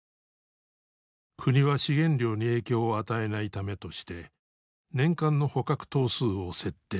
国は資源量に影響を与えないためとして年間の捕獲頭数を設定。